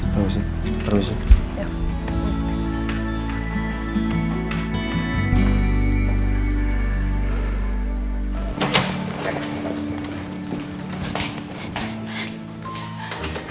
pergi sih pergi sih